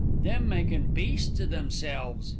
"Them makin' beasts o' themselves!"